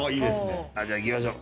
じゃあいきましょう。